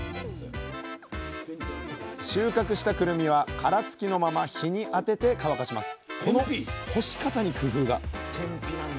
収穫したくるみは殻付きのまま日に当てて乾かします